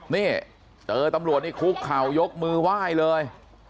นี่เจอตำรวจนี่คุกเข่ายกมือไหว้เลย